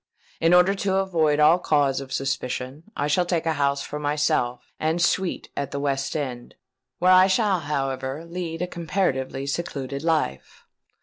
In order to avoid all cause of suspicion, I shall take a house for myself and suite at the West End, where I shall, however, lead a comparatively secluded life.